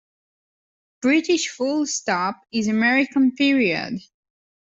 British full stop is American period.